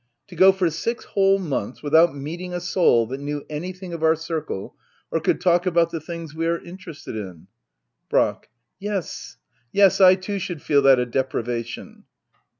To go for six whole months without meeting a soul that knew anything of our circle, or could talk about the things we are interested in. Brack. Yes, yes — I too should feel that a deprivation.